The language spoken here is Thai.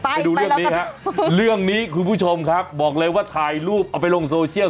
ไปดูเรื่องนี้ฮะเรื่องนี้คุณผู้ชมครับบอกเลยว่าถ่ายรูปเอาไปลงโซเชียล